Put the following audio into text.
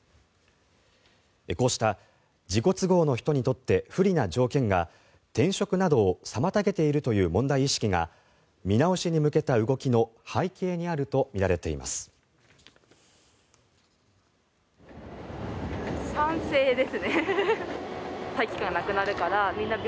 こうした、自己都合の人にとって不利な条件が転職などを妨げているという問題意識が見直しに向けた動きの背景にあるとみられます。